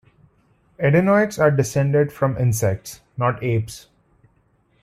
Edenoites are descended from insects, not apes.